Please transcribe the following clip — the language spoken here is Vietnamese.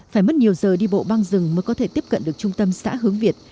phải mất nhiều giờ đi bộ băng rừng mới có thể tiếp cận được trung tâm xã hướng việt